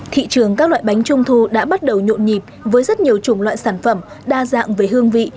thị trường các loại bánh trung thu đã bắt đầu nhộn nhịp với rất nhiều chủng loại sản phẩm đa dạng về hương vị